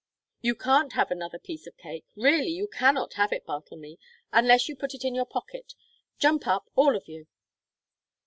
You can't have another piece of cake, really you cannot have it, Bartlemy unless you put it in your pocket. Jump up, all of you!"